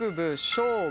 勝負。